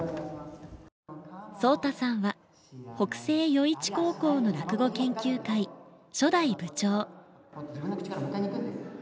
颯太さんは北星余市高校の落語研究会初代部長。